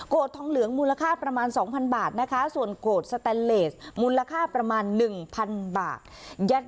ทองเหลืองมูลค่าประมาณ๒๐๐บาทนะคะส่วนโกรธสแตนเลสมูลค่าประมาณ๑๐๐๐บาท